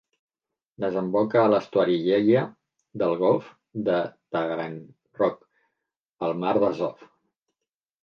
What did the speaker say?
Desemboca a l'estuari Yeya del golf de Taganrog, al mar d'Azov.